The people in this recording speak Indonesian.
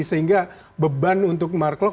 sehingga beban untuk mark lok